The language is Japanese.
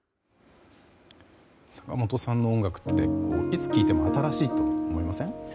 坂本さんの音楽っていつ聴いても新しいと思いません？